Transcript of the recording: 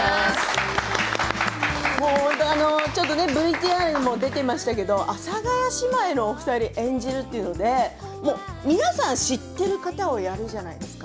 もう本当にＶＴＲにも出ていましたけれど阿佐ヶ谷姉妹のお二人を演じるというので皆さん知っている方をやるじゃないですか。